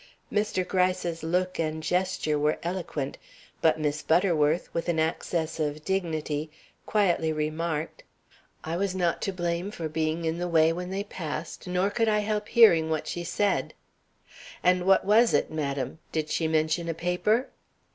Mr. Gryce's look and gesture were eloquent, but Miss Butterworth, with an access of dignity, quietly remarked: "I was not to blame for being in the way when they passed, nor could I help hearing what she said." "And what was it, madam? Did she mention a paper?"